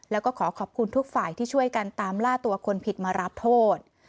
แล้วก็ขอขอบคุณทุกฝ่ายที่ช่วยกันตามล่าตัวคนผิดมารับโทษ